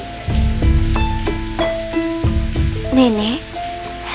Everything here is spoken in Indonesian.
dan kami sedang mencari adikannya